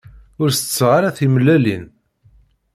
Ur tetteɣ ara timellalin.